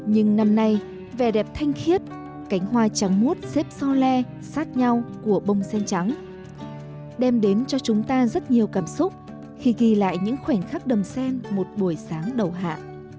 nhưng năm nay vẻ đẹp thanh khiết cánh hoa trắng mút xếp so le sát nhau của bông sen trắng đem đến cho chúng ta rất nhiều cảm xúc khi ghi lại những khoảnh khắc đầm sen một buổi sáng đầu hạ